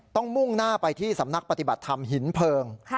มุ่งหน้าไปที่สำนักปฏิบัติธรรมหินเพลิง